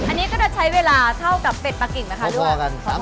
อันนี้ก็จะใช้เวลาเท่ากับเป็ดปลากิ่งนะคะด้วย